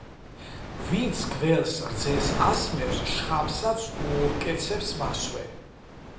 ვინც გველს რძეს ასმევს, შხამსაც უორკეცებს მასვე.